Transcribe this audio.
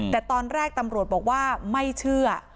แต่ตอนแรกตำรวจบอกว่าไม่เชื่อ